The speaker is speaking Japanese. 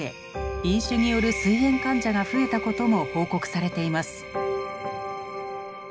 飲酒によるすい炎患者が増えたことも報告されています。